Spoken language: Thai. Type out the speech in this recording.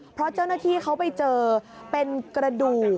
เพราะเจ้าหน้าที่เขาไปเจอเป็นกระดูก